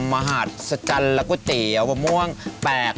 มหัศจรรย์และก๋วยเตี๋ยวม่วงแปลก